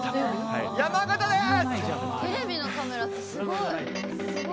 山形です。